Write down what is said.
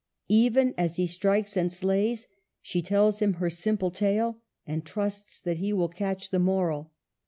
Even as he strikes and slays she tells him her simple tale, and trusts that he will catch the moral.